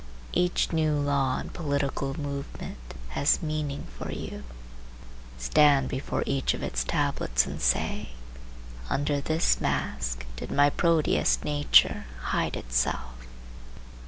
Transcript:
Each new law and political movement has meaning for you. Stand before each of its tablets and say, 'Under this mask did my Proteus nature hide itself.